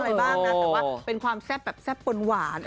อะไรบ้างนะแต่ว่าเป็นความแซ่บแบบแซ่บหวาน